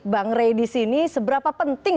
bang rey disini seberapa penting